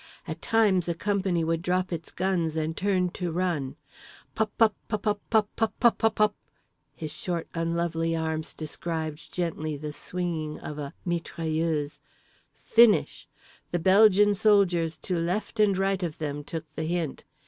At times a company would drop its guns and turn to run. Pupupupupupupupup …" his short unlovely arms described gently the swinging of a mitrailleuse… "finish. The Belgian soldiers to left and right of them took the hint.